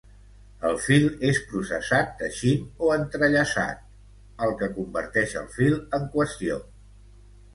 El fil és processat teixint o entrellaçat, el que converteix el fil en qüestió.